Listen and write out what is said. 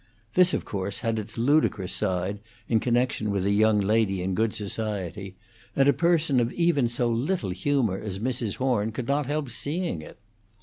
This, of course, had its ludicrous side, in connection with a young lady in good society, and a person of even so little humor as Mrs. Horn could not help seeing it.